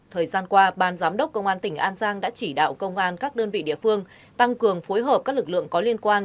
thời gian qua ban giám đốc công an tỉnh an giang đã chỉ đạo công an các đơn vị địa phương tăng cường phối hợp các lực lượng có liên quan